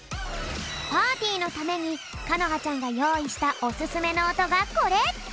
パーティーのためにかのはちゃんがよういしたおすすめのおとがこれ。